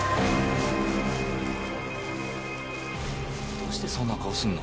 どうしてそんな顔するの？